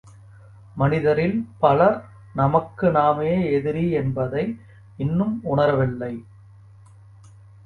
மனிதரில் பலர், நமக்கு நாமே எதிரி என்பதை இன்னும் உணரவில்லை.